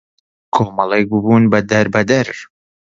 کۆمەڵێک بوون دەربەدەر